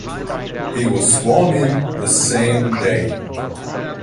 He was sworn in the same day.